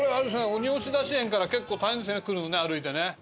鬼押出し園から結構大変ですね来るのね歩いてね。